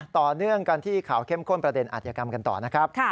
ต่อเนื่องกันที่ข่าวเข้มข้นประเด็นอาธิกรรมกันต่อนะครับ